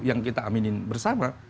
yang kita aminin bersama